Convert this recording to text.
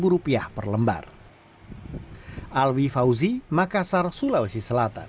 rupiah per lembar alwi fauzi makassar sulawesi selatan